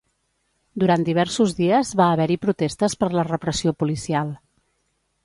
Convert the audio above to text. Durant diversos dies, va haver-hi protestes per la repressió policial.